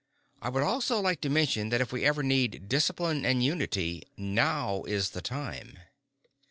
I would also like to mention that if ever we needed discipline and unity, now is the time."